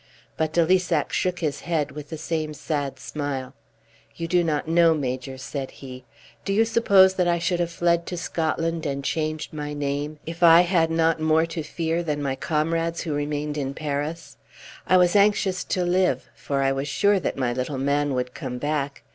But de Lissac shook his head, with the same sad smile. "You do not know, Major," said he. "Do you suppose that I should have fled to Scotland and changed my name if I had not more to fear than my comrades who remained in Paris? I was anxious to live, for I was sure that my little man would come back.